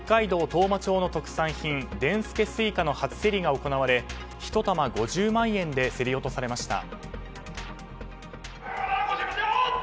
当麻町の特産品でんすけすいかの初競りが行われ１玉５０万円で競り落とされました。